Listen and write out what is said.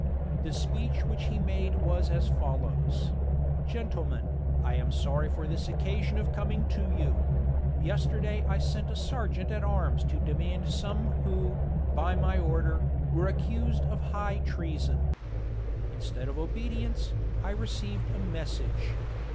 The speech which he made was as follows: "Gentlemen, I am sorry for this occasion of coming to you. Yesterday I sent a serjeant at arms to demand some who, by my order, were accused of high treason. Instead of obedience, I received a message.